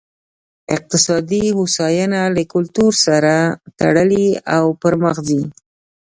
اقتصادي هوساینه له کلتور سره تړي او پرمخ ځي.